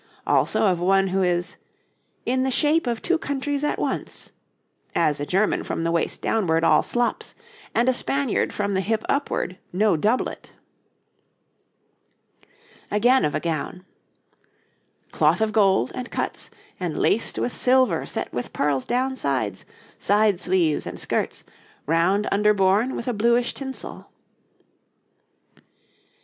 Also of one who is 'in the shape of two countries at once, as a German from the waist downwards all slops, and a Spaniard from the hip upward, no doublet.' Again of a gown: 'Cloth of gold, and cuts, and laced with silver set with pearls down sides, side sleeves, and skirts, round under borne with a bluish tinsel.'